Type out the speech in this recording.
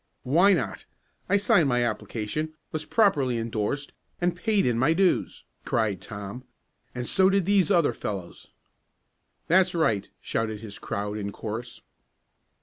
"Why not? I signed my application, was properly endorsed, and paid in my dues!" cried Tom. "And so did these other fellows." "That's right," shouted his crowd in a chorus.